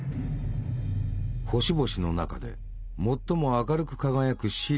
星々の中で最も明るく輝くシリウス。